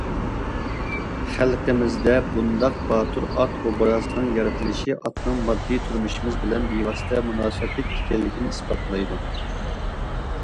خەلقىمىزدە بۇنداق باتۇر ئات ئوبرازىنىڭ يارىتىلىشى ئاتنىڭ ماددىي تۇرمۇشىمىز بىلەن بىۋاسىتە مۇناسىۋەتلىك ئىكەنلىكىنى ئىسپاتلايدۇ.